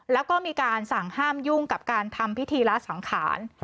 แล้วก็มีการสั่งห้ามยุ่งกับการทำพิธีละสังขาร